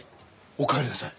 おかえりなさい。